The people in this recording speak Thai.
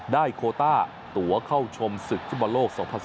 ได้โคต้ตัวเข้าชมศึกภูมิโลก๒๐๑๘